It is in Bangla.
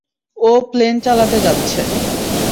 ও প্লেন চালাতে যাচ্ছে।